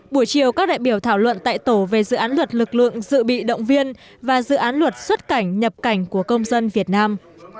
buổi chiều các đại biểu thảo luận tại tổ về dự án luật lực lượng dự bị động viên và dự án luật xuất cảnh nhập cảnh của công dân việt nam